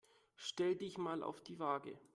Stell dich mal auf die Waage.